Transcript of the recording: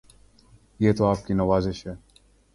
یہ تو آپ کی نوازش ہے